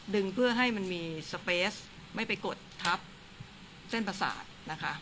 เพื่อให้มันมีสเปสไม่ไปกดทับเส้นประสาทนะคะ